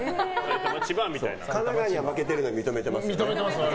神奈川に負けてるのは認めてますから。